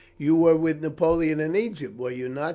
"You were with Napoleon in Egypt, were you not?"